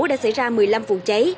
đã xảy ra một mươi năm vụ cháy